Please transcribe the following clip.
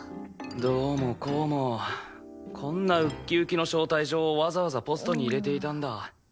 どうもこうもこんなウッキウキの招待状をわざわざポストに入れていたんだ。